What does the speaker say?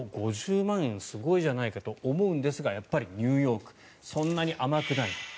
５０万円、すごいじゃないかと思うんですがやっぱりニューヨークそんなに甘くない。